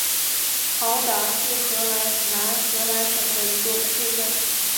豪达是荷兰南荷兰省的一座市镇。